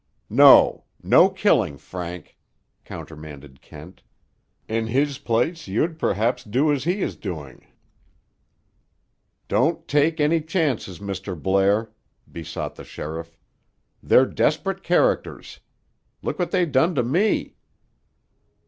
"No, no killing, Frank," countermanded Kent. "In his place, you'd perhaps do as he is doing." "Don't take any chances, Mr. Blair," besought the sheriff. "They're desperate characters. Look what they done to me!"